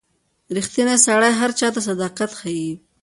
• ریښتینی سړی هر چاته صداقت ښيي.